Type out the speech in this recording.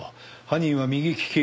犯人は右利き。